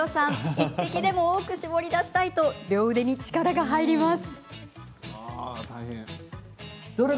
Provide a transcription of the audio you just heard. １滴でも多く搾り出したいと両腕に力が入ります。